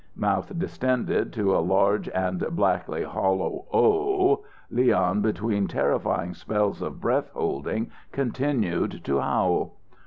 Mouth distended to a large and blackly hollow O, Leon between terrifying spells of breath holding, continued to howl.